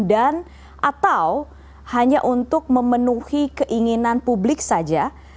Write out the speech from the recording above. dan atau hanya untuk memenuhi keinginan publik saja